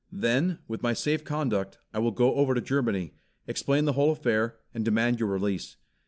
Then, with my safe conduct, I will go over to Germany, explain the whole affair, and demand your release.